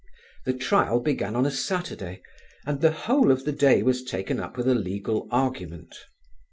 The trial began on a Saturday and the whole of the day was taken up with a legal argument.